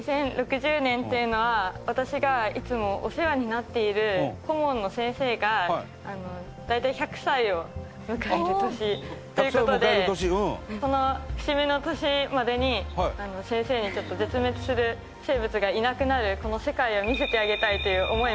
２０６０年っていうのは私がいつもお世話になっている顧問の先生が大体１００歳を迎える年という事でその節目の年までに先生に絶滅する生物がいなくなるこの世界を見せてあげたいという思いもこもっています。